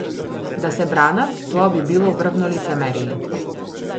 Да се бранат, тоа би било врвно лицемерие.